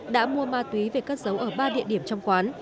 đã mua ma túy về cất giấu ở ba địa điểm trong quán